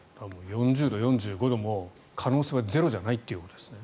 ４０度、４５度も可能性はゼロじゃないということですね。